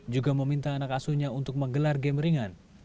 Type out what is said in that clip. juga meminta anak asuhnya untuk menggelar game ringan